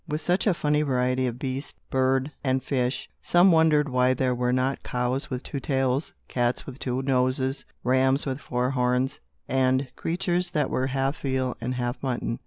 With such a funny variety of beast, bird, and fish, some wondered why there were not cows with two tails, cats with two noses, rams with four horns, and creatures that were half veal and half mutton.